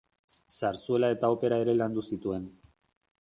Zarzuela eta opera ere landu zituen.